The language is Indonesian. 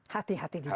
hati hati di jalan